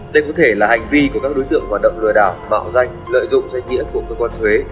đây có thể là hành vi của các đối tượng hoạt động lừa đảo mạo danh lợi dụng danh nghĩa của cơ quan thuế